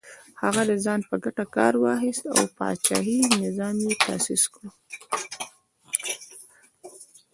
هغه د ځان په ګټه کار واخیست او پاچاهي نظام یې تاسیس کړ.